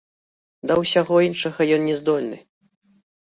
Да ўсяго іншага ён не здольны.